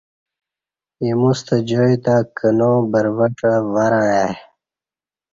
ایمو ستہ جائ تہ کنا، بروڄہ، ورں ائی